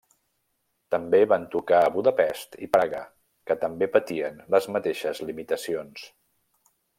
També van tocar a Budapest i Praga que també patien les mateixes limitacions.